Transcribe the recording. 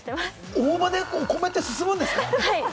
大葉でお米って進むんですか？